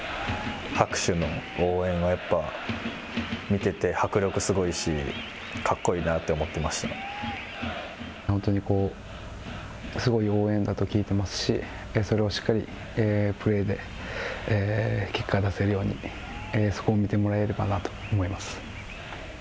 拍手の応援は、やっぱ見てて、迫力すごいし、本当にこう、すごい応援だと聞いてますし、それをしっかりプレーで結果が出せるように、そこを見てもらえればなと思います。